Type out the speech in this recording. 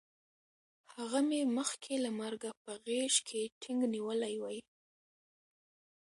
هغه مې مخکې له مرګه په غېږ کې ټینګ نیولی وی